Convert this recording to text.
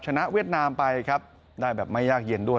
เวียดนามไปครับได้แบบไม่ยากเย็นด้วย